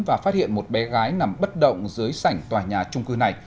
và phát hiện một bé gái nằm bất động dưới sảnh tòa nhà trung cư này